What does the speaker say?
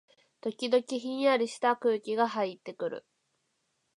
時々、ひんやりした空気がはいってくる